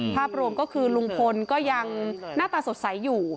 ภาพรวมก็คือลุงพลก็ยังหน้าตาสดใสอยู่